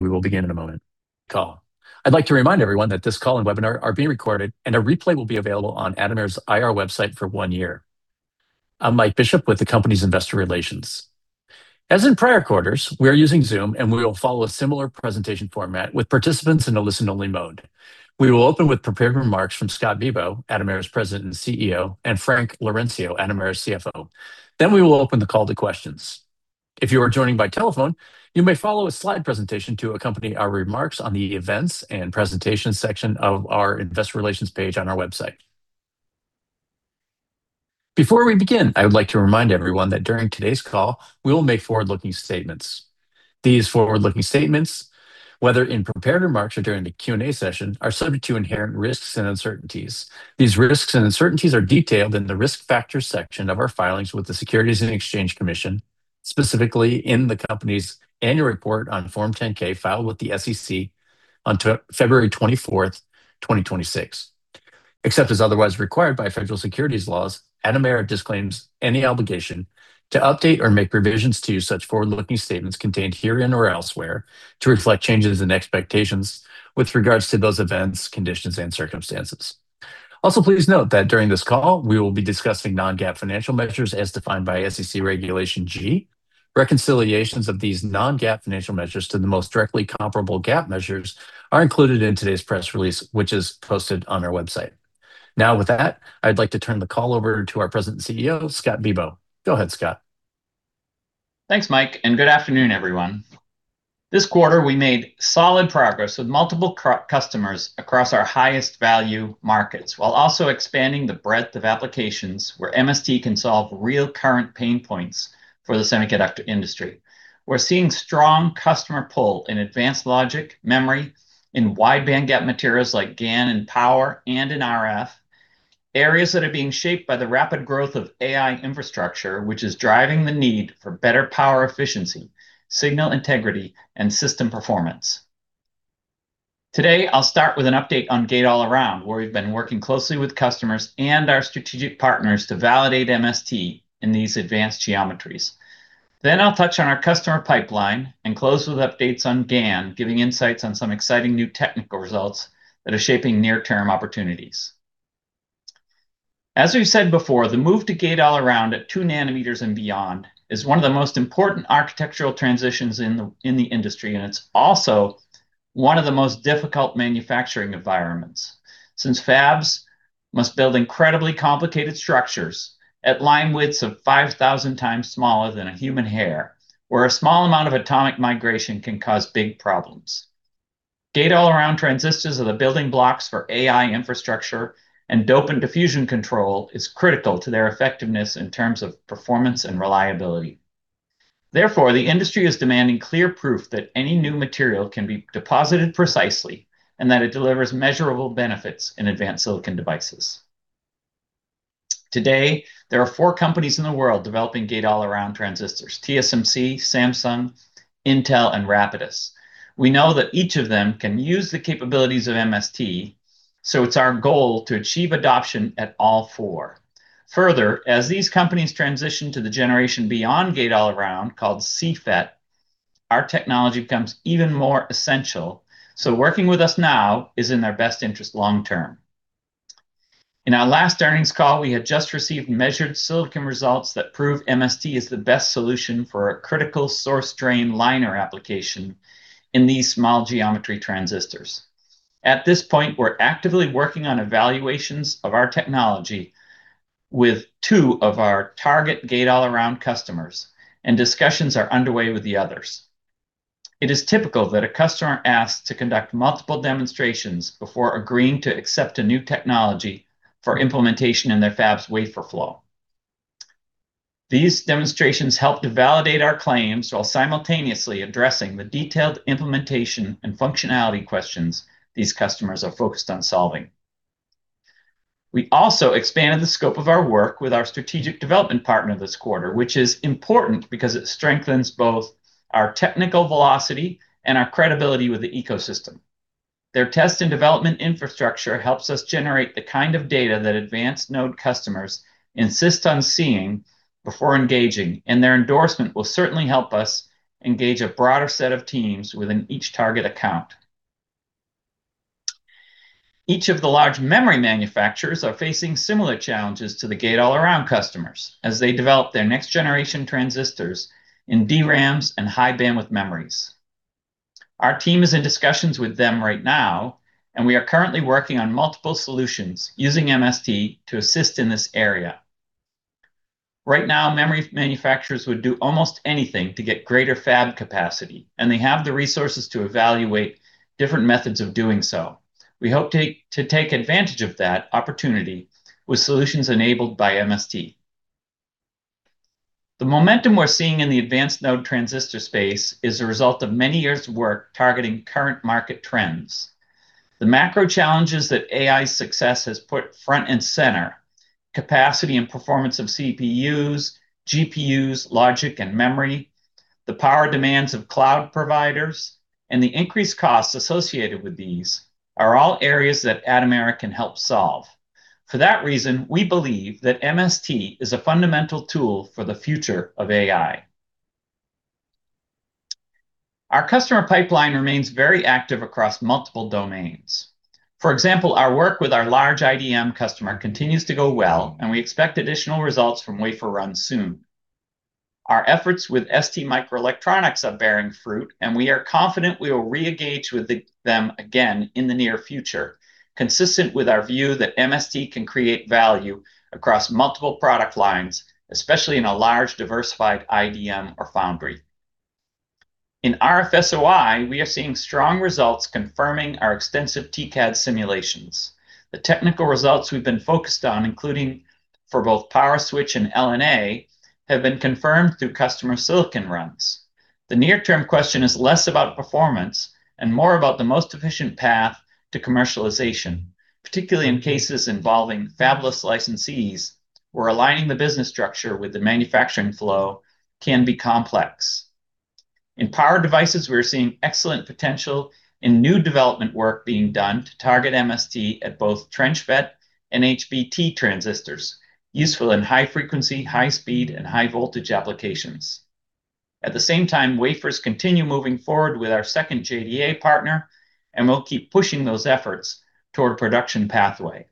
We will begin in a moment. I'd like to remind everyone that this call and webinar are being recorded, and a replay will be available on Atomera's IR website for one year. I'm Mike Bishop with the company's investor relations. As in prior quarters, we are using Zoom, and we will follow a similar presentation format with participants in a listen-only mode. We will open with prepared remarks from Scott Bibaud, Atomera's President and CEO, and Frank Laurencio, Atomera's CFO. We will open the call to questions. If you are joining by telephone, you may follow a slide presentation to accompany our remarks on the events and presentations section of our investor relations page on our website. Before we begin, I would like to remind everyone that during today's call, we will make forward-looking statements. These forward-looking statements, whether in prepared remarks or during the Q&A session, are subject to inherent risks and uncertainties. These risks and uncertainties are detailed in the Risk Factors section of our filings with the Securities and Exchange Commission, specifically in the company's annual report on Form 10-K filed with the SEC on February 24th, 2026. Except as otherwise required by federal securities laws, Atomera disclaims any obligation to update or make revisions to such forward-looking statements contained herein or elsewhere to reflect changes in expectations with regards to those events, conditions, and circumstances. Please note that during this call, we will be discussing non-GAAP financial measures as defined by SEC Regulation G. Reconciliations of these non-GAAP financial measures to the most directly comparable GAAP measures are included in today's press release, which is posted on our website. With that, I'd like to turn the call over to our President and CEO, Scott Bibaud. Go ahead, Scott. Thanks, Mike. Good afternoon, everyone. This quarter, we made solid progress with multiple customers across our highest value markets, while also expanding the breadth of applications where MST can solve real current pain points for the semiconductor industry. We're seeing strong customer pull in advanced logic, memory, in wide bandgap materials like GaN and power, and in RF, areas that are being shaped by the rapid growth of AI infrastructure, which is driving the need for better power efficiency, signal integrity, and system performance. Today, I'll start with an update on Gate-All-Around, where we've been working closely with customers and our strategic partners to validate MST in these advanced geometries. I'll touch on our customer pipeline and close with updates on GaN, giving insights on some exciting new technical results that are shaping near-term opportunities. As we've said before, the move to Gate-All-Around at two nanometers and beyond is one of the most important architectural transitions in the industry, and it's also one of the most difficult manufacturing environments since fabs must build incredibly complicated structures at line widths of 5,000x smaller than a human hair, where a small amount of atomic migration can cause big problems. Gate-All-Around transistors are the building blocks for AI infrastructure, and dopant diffusion control is critical to their effectiveness in terms of performance and reliability. The industry is demanding clear proof that any new material can be deposited precisely and that it delivers measurable benefits in advanced silicon devices. Today, there are four companies in the world developing Gate-All-Around transistors, TSMC, Samsung, Intel, and Rapidus. We know that each of them can use the capabilities of MST, so it's our goal to achieve adoption at all four. Further, as these companies transition to the generation beyond Gate-All-Around, called CFET, our technology becomes even more essential, so working with us now is in their best interest long term. In our last earnings call, we had just received measured silicon results that prove MST is the best solution for a critical source drain liner application in these small geometry transistors. At this point, we're actively working on evaluations of our technology with two of our target Gate-All-Around customers, and discussions are underway with the others. It is typical that a customer asks to conduct multiple demonstrations before agreeing to accept a new technology for implementation in their fab's wafer flow. These demonstrations help to validate our claims while simultaneously addressing the detailed implementation and functionality questions these customers are focused on solving. We also expanded the scope of our work with our strategic development partner this quarter, which is important because it strengthens both our technical velocity and our credibility with the ecosystem. Their test and development infrastructure helps us generate the kind of data that advanced node customers insist on seeing before engaging, and their endorsement will certainly help us engage a broader set of teams within each target account. Each of the large memory manufacturers are facing similar challenges to the Gate-All-Around customers as they develop their next-generation transistors in DRAMs and High Bandwidth Memories. Our team is in discussions with them right now, and we are currently working on multiple solutions using MST to assist in this area. Right now, memory manufacturers would do almost anything to get greater fab capacity, and they have the resources to evaluate different methods of doing so. We hope to take advantage of that opportunity with solutions enabled by MST. The momentum we're seeing in the advanced node transistor space is a result of many years of work targeting current market trends. The macro challenges that AI success has put front and center, capacity and performance of CPUs, GPUs, logic and memory, the power demands of cloud providers, and the increased costs associated with these are all areas that Atomera can help solve. For that reason, we believe that MST is a fundamental tool for the future of AI. Our customer pipeline remains very active across multiple domains. For example, our work with our large IDM customer continues to go well, and we expect additional results from wafer runs soon. Our efforts with STMicroelectronics are bearing fruit. We are confident we will re-engage with them again in the near future, consistent with our view that MST can create value across multiple product lines, especially in a large diversified IDM or foundry. In RF SOI, we are seeing strong results confirming our extensive TCAD simulations. The technical results we've been focused on, including for both power switch and LNA, have been confirmed through customer silicon runs. The near-term question is less about performance and more about the most efficient path to commercialization, particularly in cases involving fabless licensees, where aligning the business structure with the manufacturing flow can be complex. In power devices, we're seeing excellent potential. New development work being done to target MST at both TrenchFET and HBT transistors, useful in high frequency, high speed, and high voltage applications. At the same time, wafers continue moving forward with our second JDA partner, and we'll keep pushing those efforts toward a production pathway.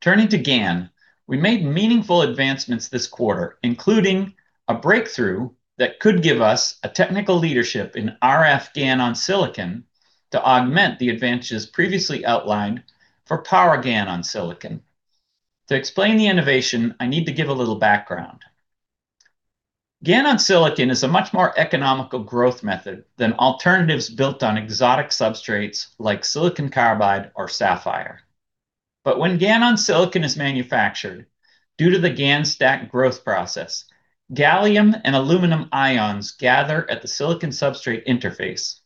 Turning to GaN, we made meaningful advancements this quarter, including a breakthrough that could give us a technical leadership in RF GaN on Silicon to augment the advantages previously outlined for power GaN on Silicon. To explain the innovation, I need to give a little background. GaN on Silicon is a much more economical growth method than alternatives built on exotic substrates like silicon carbide or sapphire. When GaN on Silicon is manufactured, due to the GaN stack growth process, gallium and aluminum ions gather at the silicon substrate interface,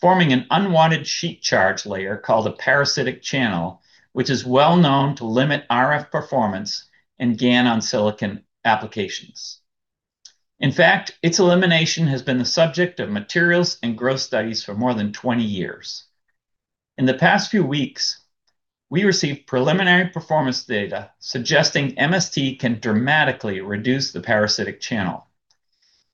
forming an unwanted sheet charge layer called a parasitic channel, which is well known to limit RF performance in GaN on Silicon applications. In fact, its elimination has been the subject of materials and growth studies for more than 20 years. In the past few weeks, we received preliminary performance data suggesting MST can dramatically reduce the parasitic channel.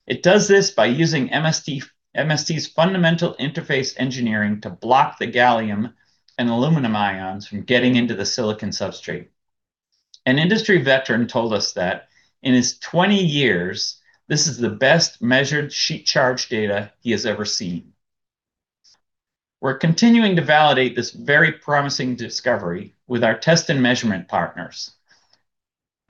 It does this by using MST's fundamental interface engineering to block the gallium and aluminum ions from getting into the silicon substrate. An industry veteran told us that in his 20 years, this is the best measured sheet charge data he has ever seen. We're continuing to validate this very promising discovery with our test and measurement partners.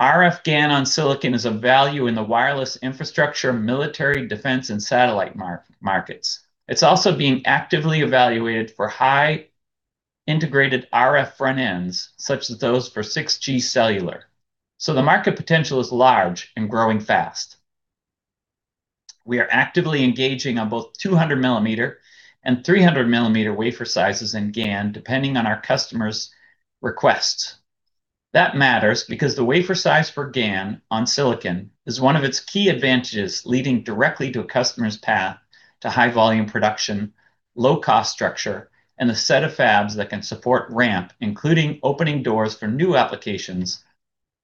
RF GaN-on-Silicon is a value in the wireless infrastructure, military, defense, and satellite markets. It's also being actively evaluated for high integrated RF front ends, such as those for 6G cellular. The market potential is large and growing fast. We are actively engaging on both 200 millimeter and 300 millimeter wafer sizes in GaN, depending on our customer's requests. That matters because the wafer size for GaN-on-Silicon is one of its key advantages leading directly to a customer's path to high volume production, low cost structure, and a set of fabs that can support ramp, including opening doors for new applications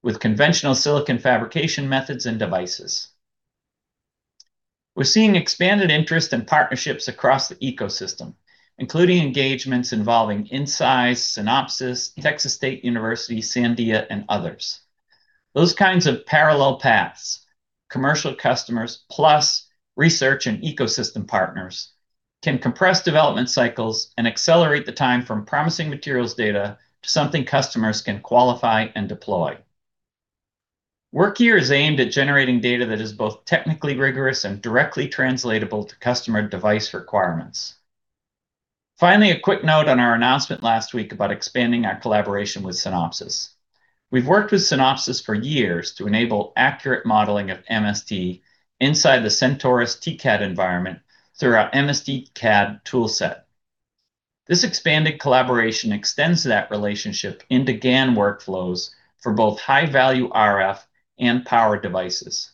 with conventional silicon fabrication methods and devices. We are seeing expanded interest in partnerships across the ecosystem, including engagements involving Incize, Synopsys, Texas State University, Sandia, and others. Those kinds of parallel paths, commercial customers plus research and ecosystem partners, can compress development cycles and accelerate the time from promising materials data to something customers can qualify and deploy. Work here is aimed at generating data that is both technically rigorous and directly translatable to customer device requirements. Finally, a quick note on our announcement last week about expanding our collaboration with Synopsys. We've worked with Synopsys for years to enable accurate modeling of MST inside the Sentaurus TCAD environment through our MSTcad tool set. This expanded collaboration extends that relationship into GaN workflows for both high-value RF and power devices.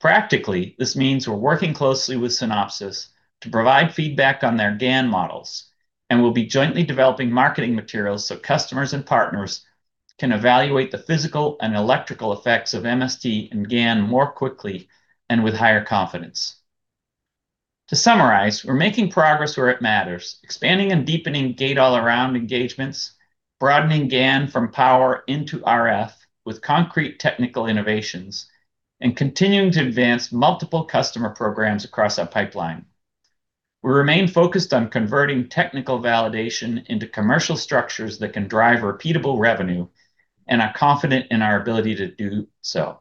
Practically, this means we're working closely with Synopsys to provide feedback on their GaN models, and we'll be jointly developing marketing materials so customers and partners can evaluate the physical and electrical effects of MST and GaN more quickly and with higher confidence. To summarize, we're making progress where it matters, expanding and deepening Gate-All-Around engagements, broadening GaN from power into RF with concrete technical innovations, and continuing to advance multiple customer programs across our pipeline. We remain focused on converting technical validation into commercial structures that can drive repeatable revenue and are confident in our ability to do so.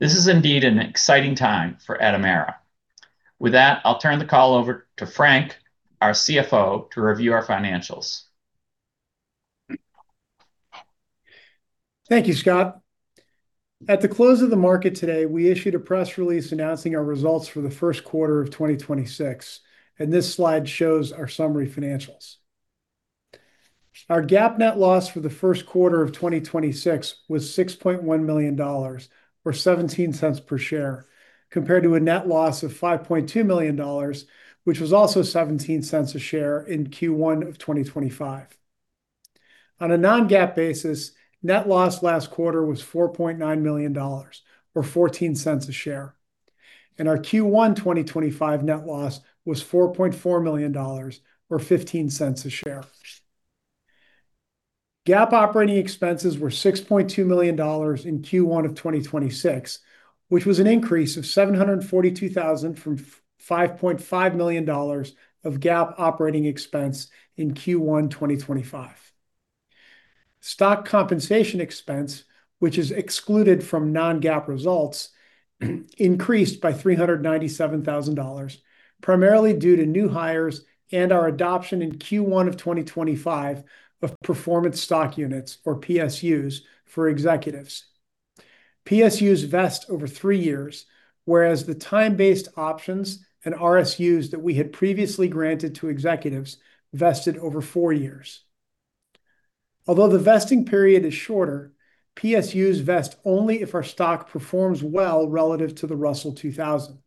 This is indeed an exciting time for Atomera. With that, I'll turn the call over to Frank, our CFO, to review our financials. Thank you, Scott. At the close of the market today, we issued a press release announcing our results for the first quarter of 2026, and this slide shows our summary financials. Our GAAP net loss for the first quarter of 2026 was $6.1 million, or $0.17 per share, compared to a net loss of $5.2 million, which was also $0.17 a share in Q1 of 2025. On a non-GAAP basis, net loss last quarter was $4.9 million or $0.14 a share. Our Q1 2025 net loss was $4.4 million or $0.15 a share. GAAP operating expenses were $6.2 million in Q1 of 2026, which was an increase of 742,000 from $5.5 million of GAAP operating expense in Q1 2025. Stock compensation expense, which is excluded from non-GAAP results, increased by $397,000, primarily due to new hires and our adoption in Q1 2025 of Performance Stock Units or PSUs for executives. PSUs vest over three years, whereas the time-based options and RSUs that we had previously granted to executives vested over four years. Although the vesting period is shorter, PSUs vest only if our stock performs well relative to the Russell 2000.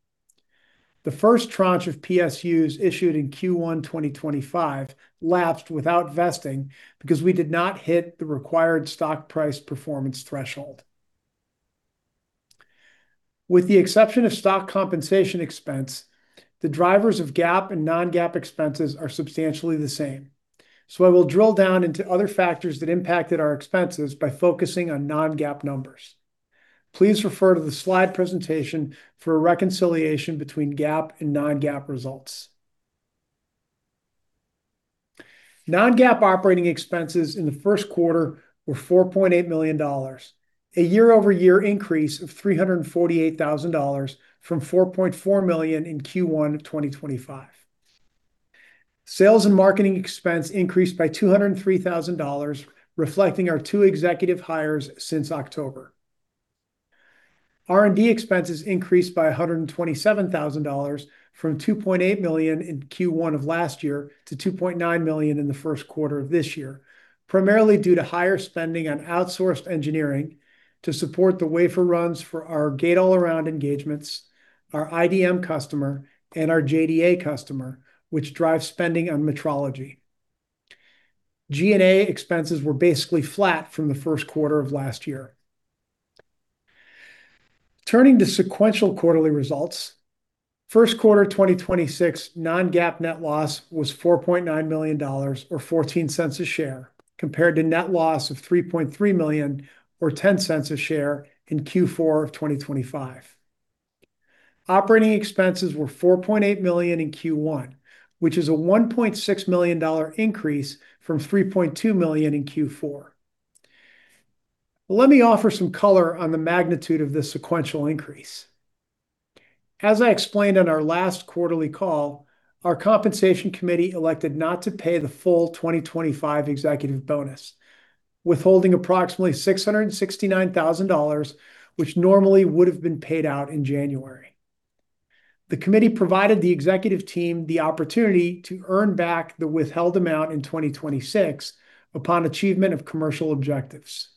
The first tranche of PSUs issued in Q1 2025 lapsed without vesting because we did not hit the required stock price performance threshold. With the exception of stock compensation expense, the drivers of GAAP and non-GAAP expenses are substantially the same. I will drill down into other factors that impacted our expenses by focusing on non-GAAP numbers. Please refer to the slide presentation for a reconciliation between GAAP and non-GAAP results. Non-GAAP operating expenses in the first quarter were $4.8 million, a year-over-year increase of $348,000 from $4.4 million in Q1 2025. Sales and marketing expense increased by $203,000, reflecting our two executive hires since October. R&D expenses increased by $127,000 from $2.8 million in Q1 of last year to $2.9 million in the first quarter of this year, primarily due to higher spending on outsourced engineering to support the wafer runs for our Gate-All-Around engagements, our IDM customer, and our JDA customer, which drives spending on metrology. G&A expenses were basically flat from the first quarter of last year. Turning to sequential quarterly results, first quarter 2026 non-GAAP net loss was $4.9 million or $0.14 a share, compared to net loss of $3.3 million or $0.10 a share in Q4 of 2025. Operating expenses were $4.8 million in Q1, which is a $1.6 million increase from $3.2 million in Q4. Let me offer some color on the magnitude of this sequential increase. As I explained on our last quarterly call, our compensation committee elected not to pay the full 2025 executive bonus, withholding approximately $669,000, which normally would have been paid out in January. The committee provided the executive team the opportunity to earn back the withheld amount in 2026 upon achievement of commercial objectives.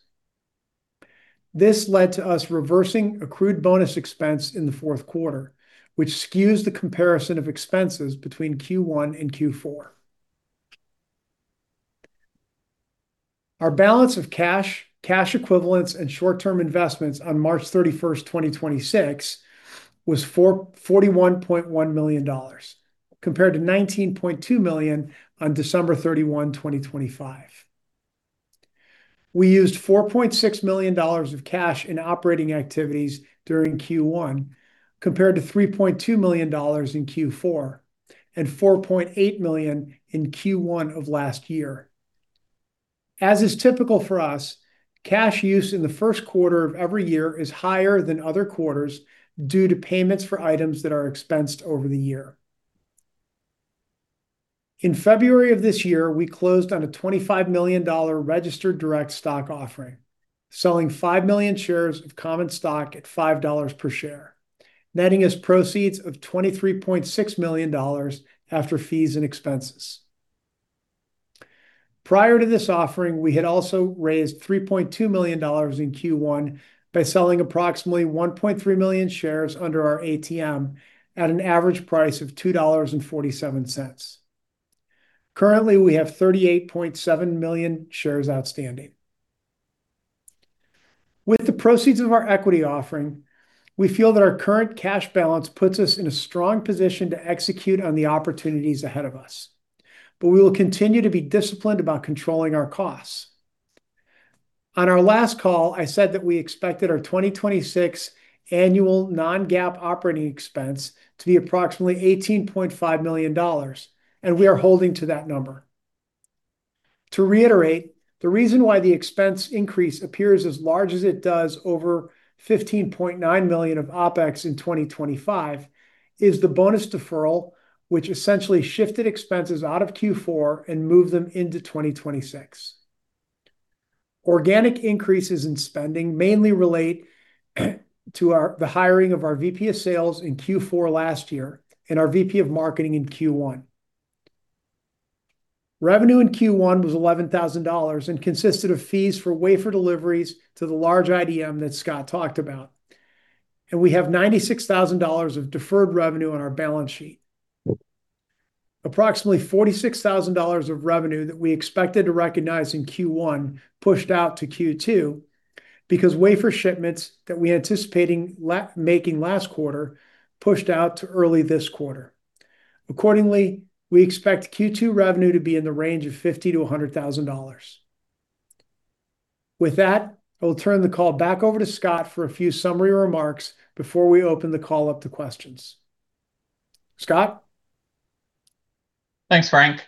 This led to us reversing accrued bonus expense in the fourth quarter, which skews the comparison of expenses between Q1 and Q4. Our balance of cash equivalents, and short-term investments on 31st March 2026 was $41.1 million, compared to $19.2 million on 31st December 2025. We used $4.6 million of cash in operating activities during Q1, compared to $3.2 million in Q4 and $4.8 million in Q1 of last year. As is typical for us, cash use in the first quarter of every year is higher than other quarters due to payments for items that are expensed over the year. In February of this year, we closed on a $25 million registered direct stock offering, selling 5 million shares of common stock at $5 per share, netting us proceeds of $23.6 million after fees and expenses. Prior to this offering, we had also raised $3.2 million in Q1 by selling approximately 1.3 million shares under our ATM at an average price of $2.47. Currently, we have 38.7 million shares outstanding. With the proceeds of our equity offering, we feel that our current cash balance puts us in a strong position to execute on the opportunities ahead of us, but we will continue to be disciplined about controlling our costs. On our last call, I said that we expected our 2026 annual non-GAAP OpEx to be approximately $18.5 million. We are holding to that number. To reiterate, the reason why the expense increase appears as large as it does over $15.9 million of OpEx in 2025 is the bonus deferral, which essentially shifted expenses out of Q4 and moved them into 2026. Organic increases in spending mainly relate to the hiring of our VP of Sales in Q4 last year and our VP of Marketing in Q1. Revenue in Q1 was $11,000 and consisted of fees for wafer deliveries to the large IDM that Scott talked about. We have $96,000 of deferred revenue on our balance sheet. Approximately $46,000 of revenue that we expected to recognize in Q1 pushed out to Q2 because wafer shipments that we anticipating making last quarter pushed out to early this quarter. Accordingly, we expect Q2 revenue to be in the range of $50,000-$100,000. With that, I will turn the call back over to Scott for a few summary remarks before we open the call up to questions. Scott? Thanks, Frank.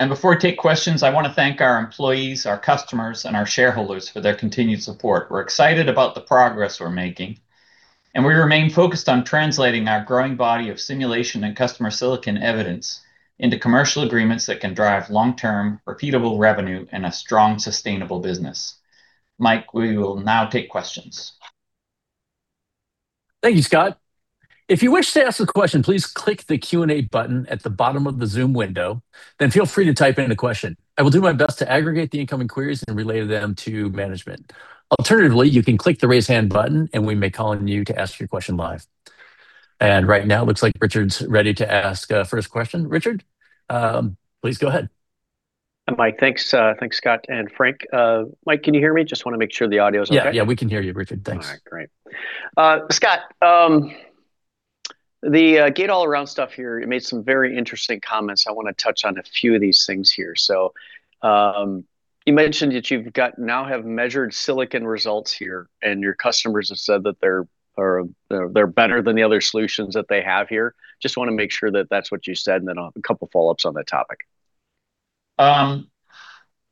Before I take questions, I wanna thank our employees, our customers, and our shareholders for their continued support. We're excited about the progress we're making, and we remain focused on translating our growing body of simulation and customer silicon evidence into commercial agreements that can drive long-term repeatable revenue and a strong, sustainable business. Mike, we will now take questions. Thank you, Scott. If you wish to ask a question, please click the Q&A button at the bottom of the Zoom window, then feel free to type in a question. I will do my best to aggregate the incoming queries and relay them to management. Alternatively, you can click the raise hand button, and we may call on you to ask your question live. Right now, looks like Richard's ready to ask a first question. Richard, please go ahead. Hi, Mike. Thanks, thanks, Scott and Frank. Mike, can you hear me? Just wanna make sure the audio's okay. Yeah, yeah, we can hear you, Richard, thanks. All right, great. Scott, the Gate-All-Around stuff here, you made some very interesting comments. I wanna touch on a few of these things here. You mentioned that you now have measured silicon results here, and your customers have said that they're better than the other solutions that they have here. Just wanna make sure that that's what you said, and then I'll have a couple follow-ups on that topic.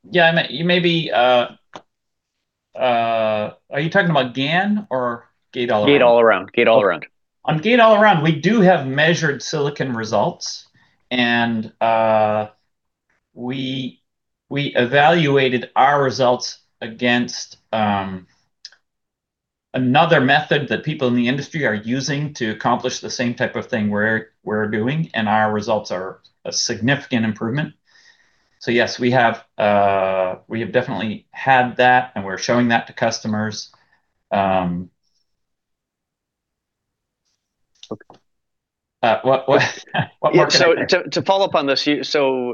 yeah, you may be Are you talking about GaN or Gate-All-Around? Gate-All-Around. On Gate-All-Around, we do have measured silicon results, and we evaluated our results against another method that people in the industry are using to accomplish the same type of thing we're doing, and our results are a significant improvement. Yes, we have definitely had that, and we're showing that to customers. Okay. What more can I say? Yeah, to follow up on this, the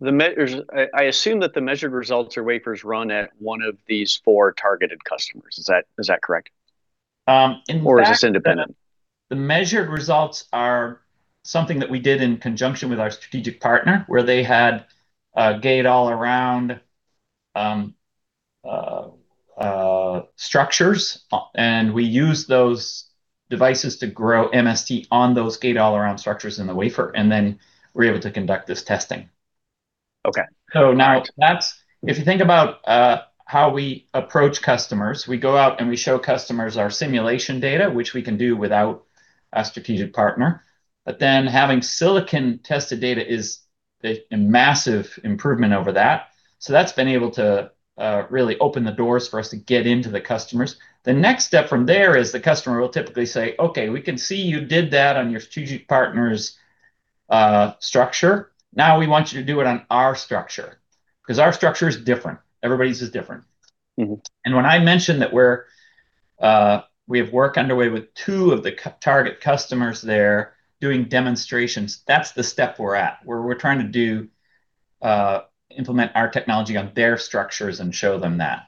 measures I assume that the measured results or wafers run at one of these four targeted customers. Is that correct? Um, in that- Is this independent? The measured results are something that we did in conjunction with our strategic partner, where they had Gate-All-Around structures. We used those devices to grow MST on those Gate-All-Around structures in the wafer. We were able to conduct this testing. Okay. All right. Now that's if you think about how we approach customers, we go out and we show customers our simulation data, which we can do without a strategic partner, but then having silicon-tested data is a massive improvement over that. That's been able to really open the doors for us to get into the customers. The next step from there is the customer will typically say, "Okay, we can see you did that on your strategic partner's structure. Now we want you to do it on our structure," 'cause our structure is different. Everybody's is different. When I mentioned that we have work underway with two of the target customers there doing demonstrations, that's the step we're at, where we're trying to do implement our technology on their structures and show them that.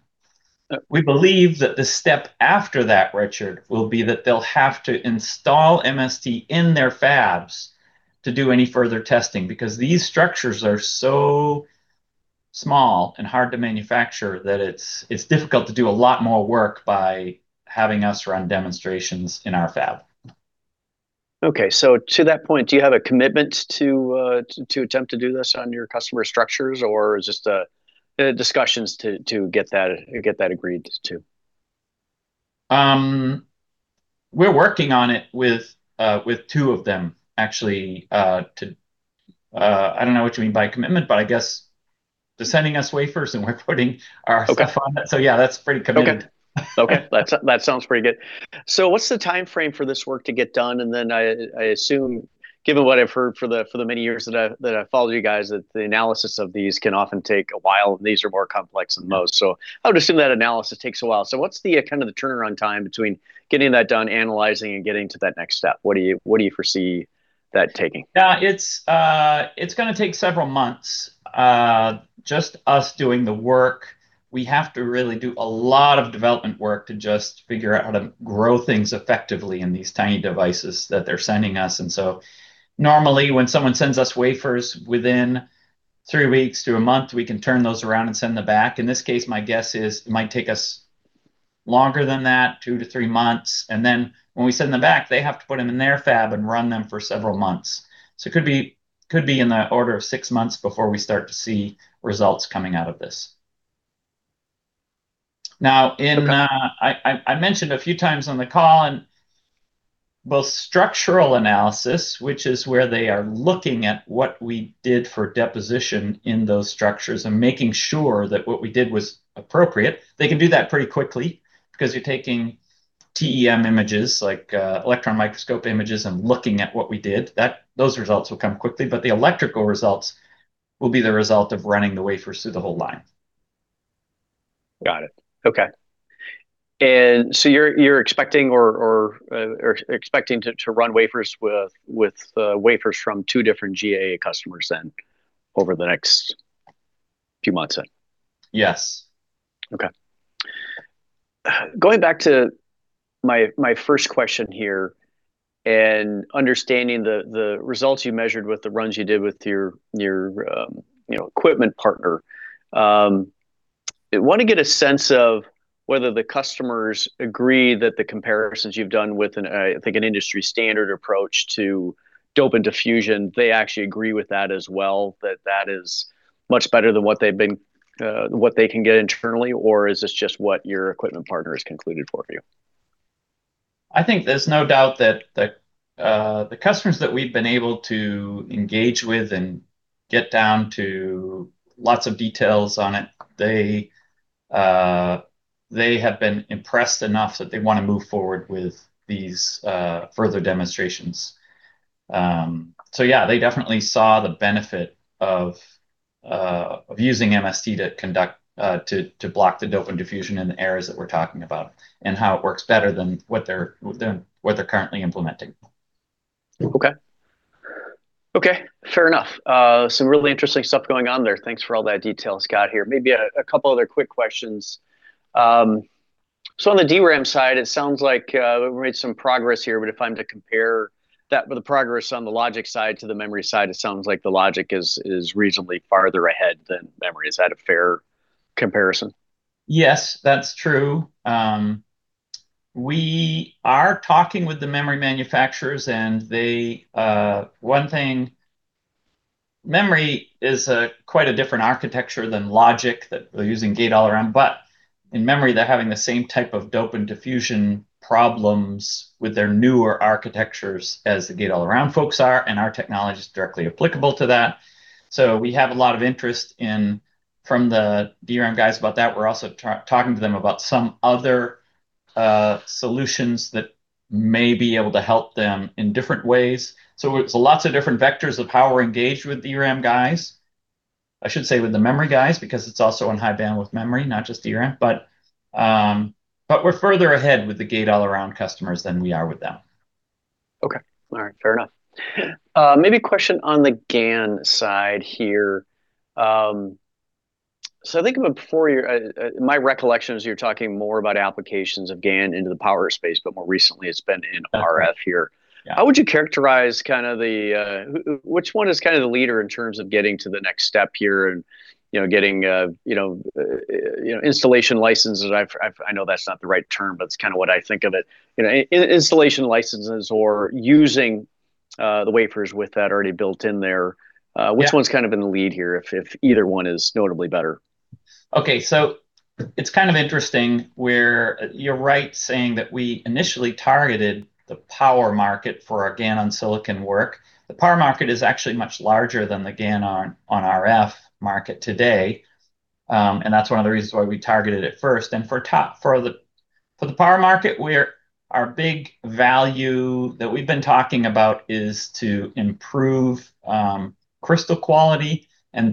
Okay. We believe that the step after that, Richard, will be that they'll have to install MST in their fabs to do any further testing because these structures are so small and hard to manufacture that it's difficult to do a lot more work by having us run demonstrations in our fab. Okay. To that point, do you have a commitment to attempt to do this on your customer structures, or is this the discussions to get that agreed to? We're working on it with two of them, actually, I don't know what you mean by commitment, but I guess they're sending us wafers and we're putting our stuff on it. Okay. Yeah, that's pretty committed. Okay. Okay. That sounds pretty good. What's the timeframe for this work to get done? I assume, given what I've heard for the many years that I followed you guys, that the analysis of these can often take a while, and these are more complex than most. I would assume that analysis takes a while. What's kind of the turnaround time between getting that done, analyzing, and getting to that next step? What do you foresee that taking? Yeah. It's gonna take several months, just us doing the work. We have to really do a lot of development work to just figure out how to grow things effectively in these tiny devices that they're sending us. Normally when someone sends us wafers, within three weeks to one month, we can turn those around and send them back. In this case, my guess is it might take us longer than that, 2-3 months. When we send them back, they have to put them in their fab and run them for several months. It could be in the order of six months before we start to see results coming out of this. Okay I mentioned a few times on the call in both structural analysis, which is where they are looking at what we did for deposition in those structures and making sure that what we did was appropriate. They can do that pretty quickly 'cause you're taking TEM images like electron microscope images and looking at what we did. Those results will come quickly, but the electrical results will be the result of running the wafers through the whole line. Got it. Okay. You're expecting or expecting to run wafers with wafers from two different GAA customers then over the next few months? Yes. Okay. Going back to my first question here and understanding the results you measured with the runs you did with your, you know, equipment partner, I want to get a sense of whether the customers agree that the comparisons you've done with an, I think an industry standard approach to dope and diffusion, they actually agree with that as well, that that is much better than what they've been, what they can get internally or is this just what your equipment partner has concluded for you? I think there's no doubt that the customers that we've been able to engage with and get down to lots of details on it, they have been impressed enough that they want to move forward with these further demonstrations. Yeah, they definitely saw the benefit of using MST to conduct, to block the dope and diffusion in the areas that we're talking about, and how it works better than what they're currently implementing. Okay. Okay, fair enough. Some really interesting stuff going on there. Thanks for all that detail, Scott. Maybe a couple other quick questions. On the DRAM side, it sounds like we've made some progress here, but if I'm to compare that with the progress on the logic side to the memory side, it sounds like the logic is reasonably farther ahead than memory. Is that a fair comparison? Yes, that's true. We are talking with the memory manufacturers and they, one thing, memory is quite a different architecture than logic that they're using Gate-All-Around. In memory, they're having the same type of dope and diffusion problems with their newer architectures as the Gate-All-Around folks are, and our technology's directly applicable to that. We have a lot of interest in, from the DRAM guys about that. We're also talking to them about some other solutions that may be able to help them in different ways. It's lots of different vectors of how we're engaged with DRAM guys. I should say with the memory guys, because it's also on High Bandwidth Memory, not just DRAM. We're further ahead with the Gate-All-Around customers than we are with them. Okay. All right. Fair enough. Maybe a question on the GaN side here. I think before you, my recollection is you're talking more about applications of GaN into the power space, but more recently it's been in RF here. Yeah. How would you characterize kind of the, which one is kind of the leader in terms of getting to the next step here and, you know, getting, you know, installation licenses? I know that's not the right term, but it's kind of what I think of it. You know, installation licenses or using the wafers with that already built in there. Yeah Which one's kind of in the lead here, if either one is notably better? Okay. It's kind of interesting where you're right saying that we initially targeted the power market for our GaN-on-Silicon work. The power market is actually much larger than the GaN on RF market today. That's one of the reasons why we targeted it first. For the power market, our big value that we've been talking about is to improve crystal quality and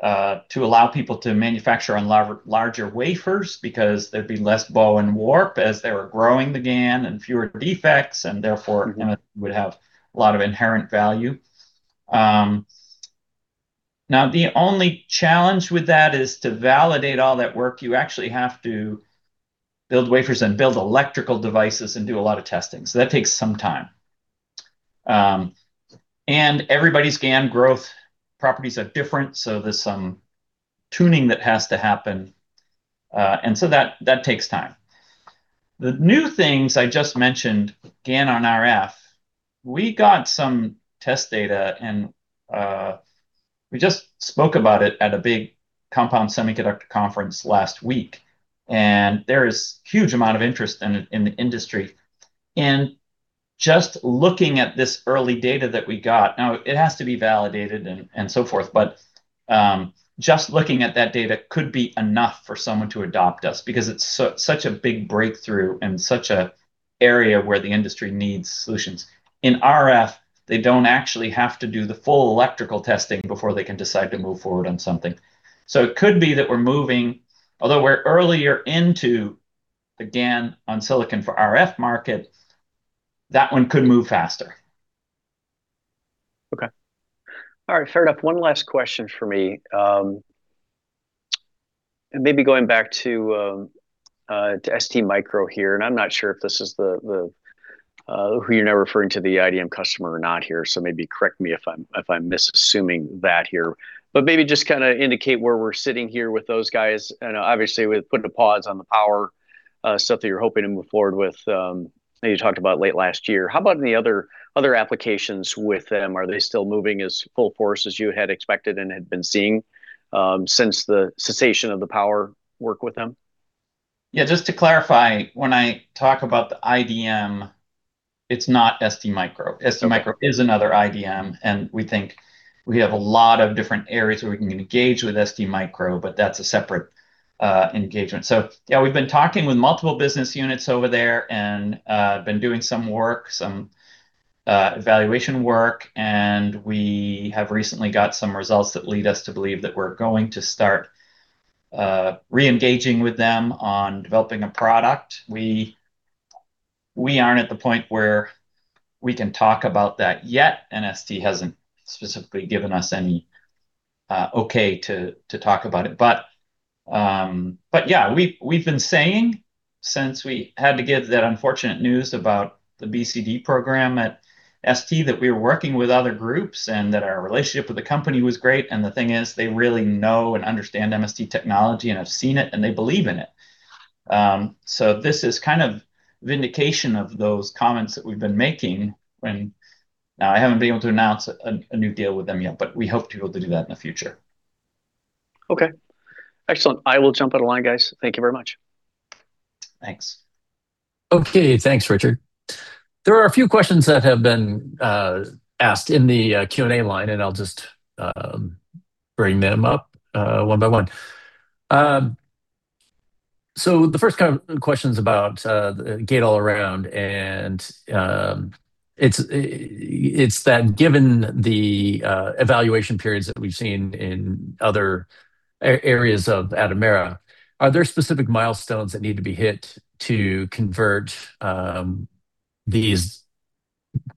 therefore to allow people to manufacture on larger wafers because there'd be less bow and warp as they were growing the GaN and fewer defects, and therefore. would have a lot of inherent value. The only challenge with that is to validate all that work, you actually have to build wafers and build electrical devices and do a lot of testing, so that takes some time. Everybody's GaN growth properties are different, so there's some tuning that has to happen. That takes time. The new things I just mentioned, GaN on RF, we got some test data and we just spoke about it at a big compound semiconductor conference last week, and there is huge amount of interest in it in the industry. Just looking at this early data that we got, now it has to be validated and so forth, but just looking at that data could be enough for someone to adopt us because it's such a big breakthrough and such a area where the industry needs solutions. In RF, they don't actually have to do the full electrical testing before they can decide to move forward on something. It could be that we're moving, although we're earlier into the GaN-on-Silicon for RF market, that one could move faster. Okay. All right. Fair enough. One last question from me. Maybe going back to STMicro here, I'm not sure if this is the who you're now referring to, the IDM customer or not here, so maybe correct me if I'm misassuming that here. Maybe just kind of indicate where we're sitting here with those guys, and obviously with putting a pause on the power stuff that you're hoping to move forward with that you talked about late last year. How about in the other applications with them? Are they still moving as full force as you had expected and had been seeing since the cessation of the power work with them? Yeah, just to clarify, when I talk about the IDM, it's not STMicro. Okay. STMicro is another IDM, and we think we have a lot of different areas where we can engage with STMicro, but that's a separate engagement. Yeah, we've been talking with multiple business units over there and been doing some work, some evaluation work, and we have recently got some results that lead us to believe that we're going to start re-engaging with them on developing a product. We aren't at the point where we can talk about that yet. ST hasn't specifically given us any okay to talk about it. Yeah, we've been saying since we had to give that unfortunate news about the BCD program at ST that we were working with other groups and that our relationship with the company was great, and the thing is, they really know and understand MST technology and have seen it, and they believe in it. This is kind of vindication of those comments that we've been making. Now, I haven't been able to announce a new deal with them yet, but we hope to be able to do that in the future. Okay. Excellent. I will jump out of line, guys. Thank you very much. Thanks. Okay. Thanks, Richard. There are a few questions that have been asked in the Q&A line, and I'll just bring them up one by one. The first kind of question's about the Gate-All-Around, and it's that given the evaluation periods that we've seen in other areas of Atomera, are there specific milestones that need to be hit to convert these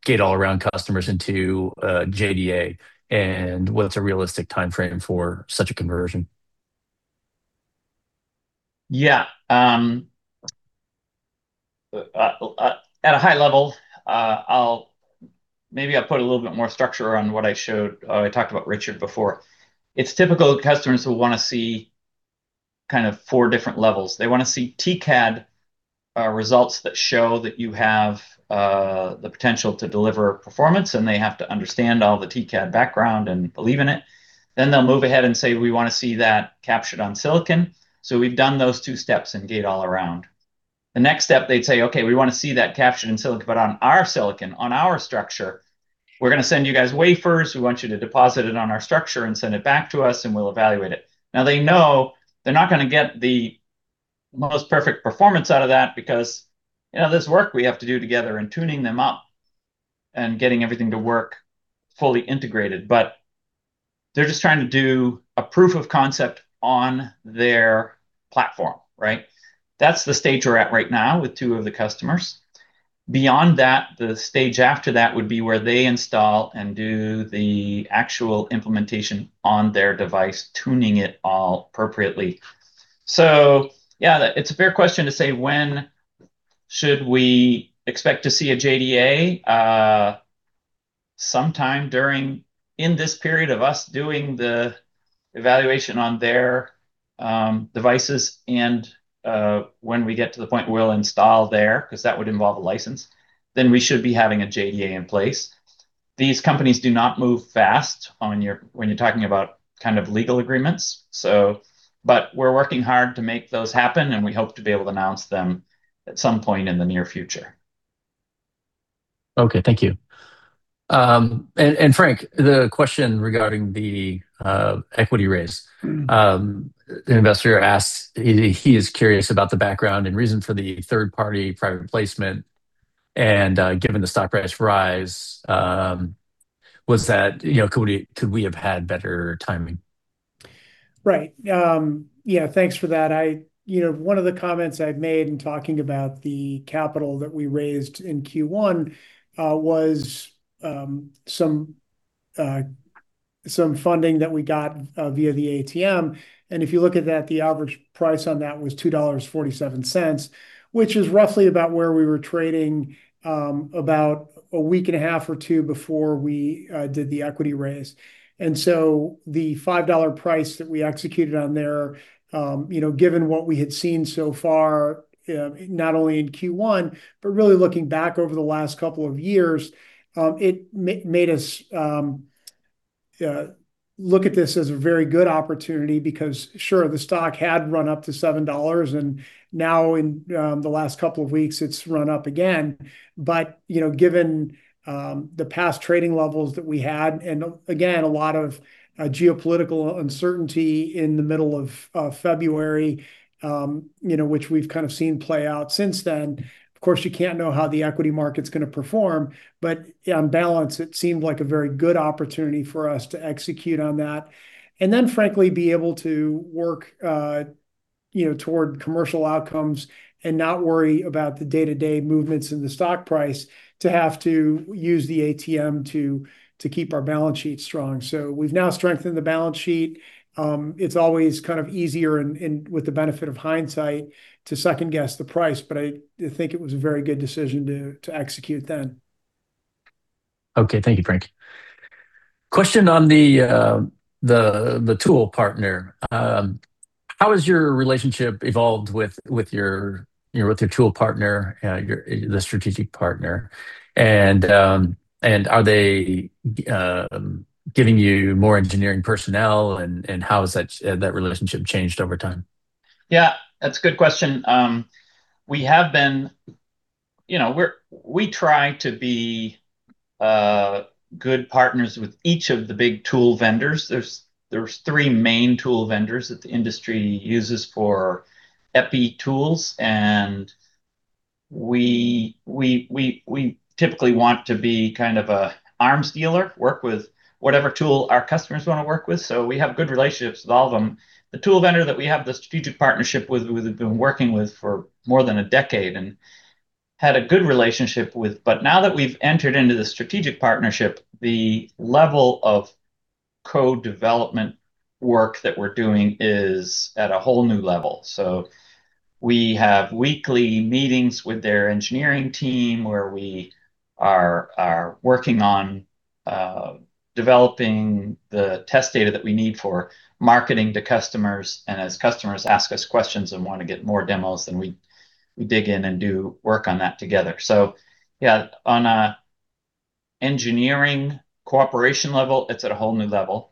Gate-All-Around customers into JDA? What's a realistic timeframe for such a conversion? Yeah. At a high level, I'll put a little bit more structure on what I showed, I talked about Richard before. It's typical that customers will wanna see kind of four different levels. They wanna see TCAD results that show that you have the potential to deliver performance, and they have to understand all the TCAD background and believe in it. They'll move ahead and say, "We wanna see that captured on silicon." We've done those two steps in Gate-All-Around. The next step, they'd say, "Okay, we wanna see that captured in silicon, but on our silicon, on our structure. We're gonna send you guys wafers. We want you to deposit it on our structure and send it back to us, and we'll evaluate it. They know they're not gonna get the most perfect performance out of that because, you know, there's work we have to do together in tuning them up and getting everything to work fully integrated. They're just trying to do a proof of concept on their platform, right? That's the stage we're at right now with two of the customers. Beyond that, the stage after that would be where they install and do the actual implementation on their device, tuning it all appropriately. Yeah, it's a fair question to say when should we expect to see a JDA. Sometime in this period of us doing the evaluation on their devices, and when we get to the point we'll install there, 'cause that would involve a license, then we should be having a JDA in place. These companies do not move fast when you're talking about kind of legal agreements. We're working hard to make those happen, and we hope to be able to announce them at some point in the near future. Okay. Thank you. Frank, the question regarding the equity raise. The investor asks, he is curious about the background and reason for the third-party private placement, and, given the stock price rise, was that, you know, could we have had better timing? Right. Yeah, thanks for that. You know, one of the comments I've made in talking about the capital that we raised in Q1 was some funding that we got via the ATM, and if you look at that, the average price on that was $2.47, which is roughly about where we were trading about a week and a half or two before we did the equity raise. The $5 price that we executed on there, you know, given what we had seen so far, not only in Q1, but really looking back over the last couple of years, it made us look at this as a very good opportunity because sure, the stock had run up to $7, and now in the last couple of weeks it's run up again. You know, given, the past trading levels that we had and again, a lot of geopolitical uncertainty in the middle of February, you know, which we've kind of seen play out since then. Of course, you can't know how the equity market's gonna perform, but on balance it seemed like a very good opportunity for us to execute on that and then frankly be able to work, you know, toward commercial outcomes and not worry about the day-to-day movements in the stock price to have to use the ATM to keep our balance sheet strong. We've now strengthened the balance sheet. It's always kind of easier in with the benefit of hindsight to second-guess the price, but I think it was a very good decision to execute then. Okay. Thank you, Frank. Question on the tool partner. How has your relationship evolved with your, you know, with your tool partner, the strategic partner? Are they giving you more engineering personnel, and how has that relationship changed over time? Yeah, that's a good question. We have been, you know, we try to be good partners with each of the big tool vendors. There's three main tool vendors that the industry uses for EPI tools, we typically want to be kind of a arms dealer, work with whatever tool our customers want to work with. We have good relationships with all of them. The tool vendor that we have the strategic partnership with, we've been working with for more than a decade and had a good relationship with. Now that we've entered into the strategic partnership, the level of co-development work that we're doing is at a whole new level. We have weekly meetings with their engineering team where we are working on developing the test data that we need for marketing to customers. As customers ask us questions and wanna get more demos, then we dig in and do work on that together. Yeah, on a engineering cooperation level, it's at a whole new level.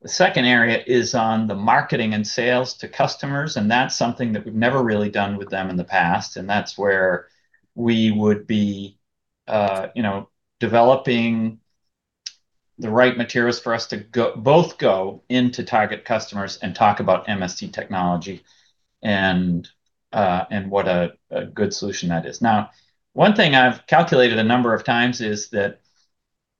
The second area is on the marketing and sales to customers, and that's something that we've never really done with them in the past. That's where we would be, you know, developing the right materials for us to both go into target customers and talk about MST technology and what a good solution that is. Now, one thing I've calculated a number of times is that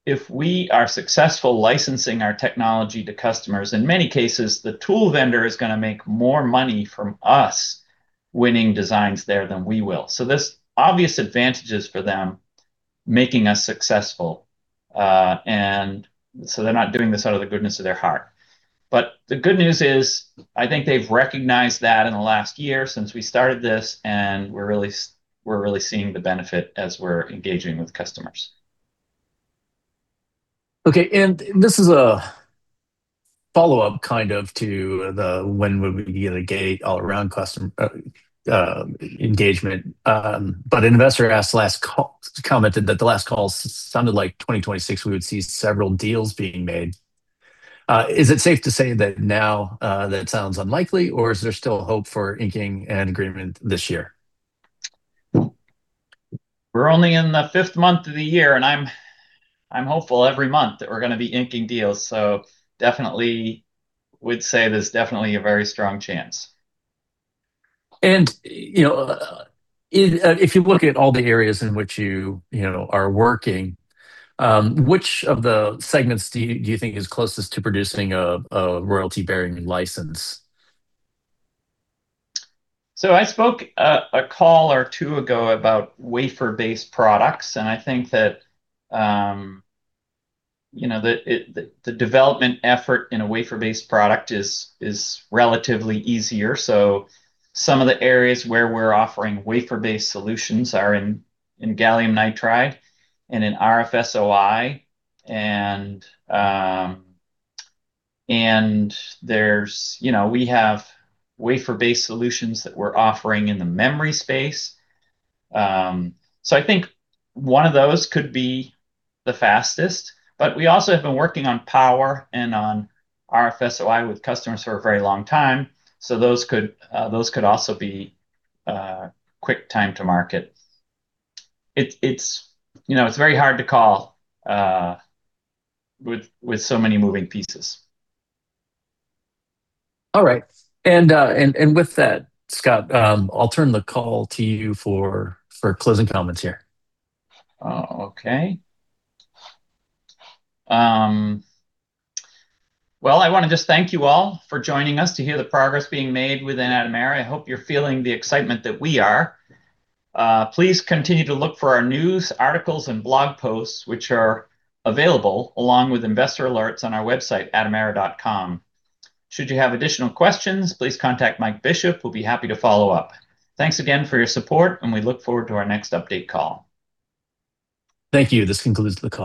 if we are successful licensing our technology to customers, in many cases the tool vendor is gonna make more money from us winning designs there than we will. There's obvious advantages for them making us successful. They're not doing this out of the goodness of their heart. The good news is, I think they've recognized that in the last year since we started this, and we're really seeing the benefit as we're engaging with customers. Okay. This is a follow-up kind of to the when would we be able to gauge Gate-All-Around custom engagement. An investor asked, commented that the last call sounded like 2026 we would see several deals being made. Is it safe to say that now that sounds unlikely, or is there still hope for inking an agreement this year? We're only in the fifth month of the year, and I'm hopeful every month that we're gonna be inking deals. Definitely would say there's definitely a very strong chance. You know, if you look at all the areas in which you know, are working, which of the segments do you think is closest to producing a royalty-bearing license? I spoke a call or two ago about wafer-based products, and I think that, you know, the development effort in a wafer-based product is relatively easier. Some of the areas where we're offering wafer-based solutions are in gallium nitride and in RFSOI. There's, you know, we have wafer-based solutions that we're offering in the memory space. I think one of those could be the fastest. We also have been working on power and on RFSOI with customers for a very long time, so those could also be a quick time to market. It's, you know, very hard to call with so many moving pieces. All right. With that, Scott, I'll turn the call to you for closing comments here. Oh, okay. Well, I wanna just thank you all for joining us to hear the progress being made within Atomera. I hope you're feeling the excitement that we are. Please continue to look for our news, articles, and blog posts which are available along with investor alerts on our website, atomera.com. Should you have additional questions, please contact Mike Bishop, who'll be happy to follow up. Thanks again for your support, and we look forward to our next update call. Thank you. This concludes the call.